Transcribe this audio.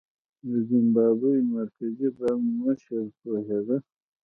د زیمبابوې د مرکزي بانک مشر پوهېده.